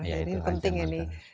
jadi penting ya ini